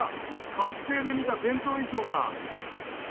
バス停で見た伝統衣装か。